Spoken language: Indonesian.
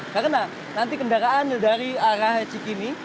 karena nanti kendaraan dari arah cikini